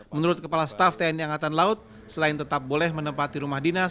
menurut kepala staff tni angkatan laut selain tetap boleh menempati rumah dinas